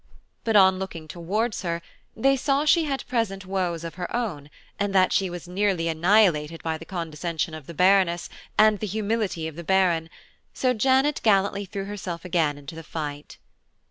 But on looking towards her, they saw she had present woes of her own, and that she was nearly annihilated by the condescension of the Baroness, and the humility of the Baron–so Janet gallantly threw herself again into the fight.